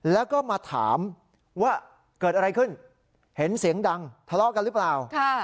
แล้วก็มาถามว่าเกิดอะไรขึ้นเห็นเสียงดังทะเลาะกันหรือเปล่า